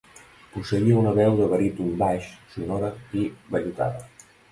Posseïa una veu de baríton-baix sonora i vellutada.